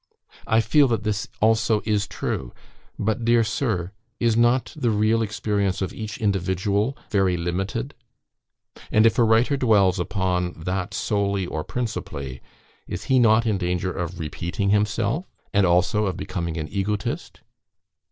"I feel that this also is true; but, dear Sir, is not the real experience of each individual very limited? And, if a writer dwells upon that solely or principally, is he not in danger of repeating himself, and also of becoming an egotist?